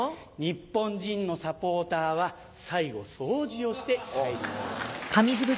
日本人のサポーターは最後掃除をして帰ります。